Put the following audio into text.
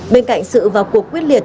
bên cạnh sự vào cuộc quyết liệt